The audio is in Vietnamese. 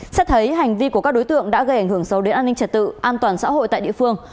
xét thấy hành vi của các đối tượng đã gây ảnh hưởng sâu đến an ninh trật tự an toàn xã hội tại địa phương